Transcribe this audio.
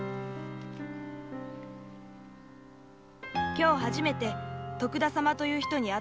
「今日初めて徳田様という人に会った」